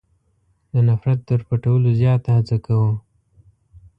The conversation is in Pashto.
د نفرت تر پټولو زیاته هڅه کوو.